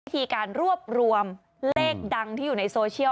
วิธีการรวบรวมเลขดังที่อยู่ในโซเชียล